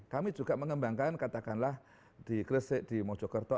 kami juga mengembangkan katakanlah di gresik di mojo kerto